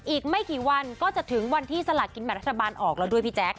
อีกไม่กี่วันก็จะถึงวันที่สลากินแบบรัฐบาลออกแล้วด้วยพี่แจ๊ค